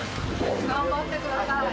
頑張ってください。